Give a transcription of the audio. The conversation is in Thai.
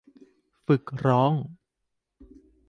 ฝึกร้อง